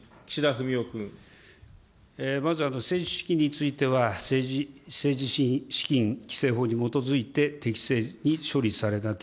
まず、政治資金については政治資金規正法に基づいて適正に処理されなけ